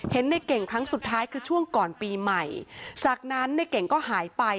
เห็นในเก่งครั้งสุดท้ายคือช่วงก่อนปีใหม่จากนั้นในเก่งก็หายไป